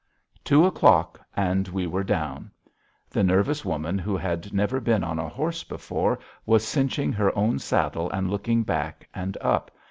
Two o'clock, and we were down. The nervous woman who had never been on a horse before was cinching her own saddle and looking back and up.